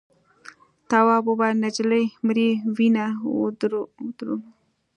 تواب وویل نجلۍ مري وینه ودروم.